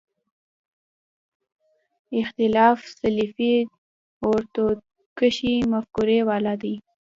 اختلاف سلفي اورتودوکسي مفکورې والا دي.